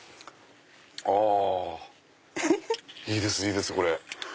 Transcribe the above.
あいいですいいですこれ。